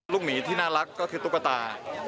หมีที่น่ารักก็คือตุ๊กตา